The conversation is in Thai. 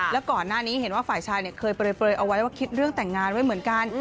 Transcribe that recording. แล้วก่อนหน้านี้เห็นว่าฝ่ายชายเคยเปลยเอาไว้ว่าคิดเรื่องแต่งงานไว้เหมือนกัน